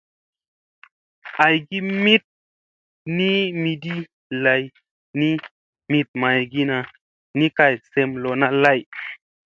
Aygi mit ni miɗi lay ni mit maygina ni kay sem lona lay.